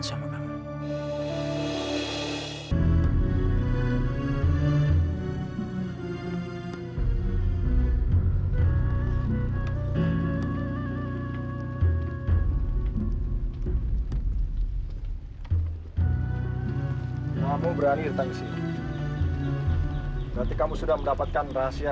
sampai jumpa di video selanjutnya